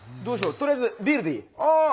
とりあえずビールでいい？あうん。